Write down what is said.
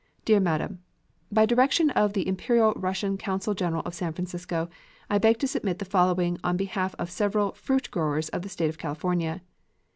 DEAR MADAM: By direction of the Imperial Russian Consul General of San Francisco, I beg to submit the following on behalf of several fruit growers of the State of California.